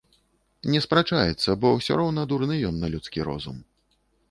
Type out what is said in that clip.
Не спрачаецца, бо ўсё роўна дурны ён на людскі розум.